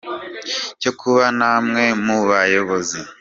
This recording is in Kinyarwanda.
Cyo kuba namwe mu bayobozi